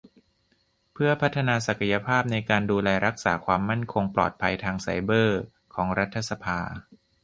เพื่อพัฒนาศักยภาพในการดูแลรักษาความมั่นคงปลอดภัยทางไซเบอร์ของรัฐสภา